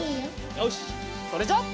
よしそれじゃあ。